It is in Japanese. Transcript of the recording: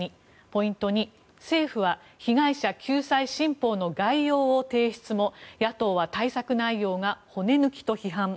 ポイント２、政府は被害者救済新法の概要を提出も野党は対策内容が骨抜きと批判。